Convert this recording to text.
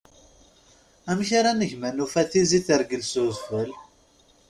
Amek ara neg ma nufa tizi tergel s udfel?